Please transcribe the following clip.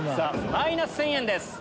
マイナス１０００円です。